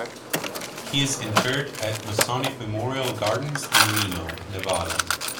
He is interred at Masonic Memorial Gardens in Reno, Nevada.